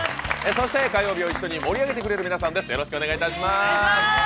そして火曜日を一緒に盛り上げてくれる皆さんです。